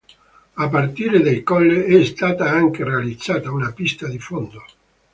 A partire dal colle è stata anche realizzata una pista di fondo.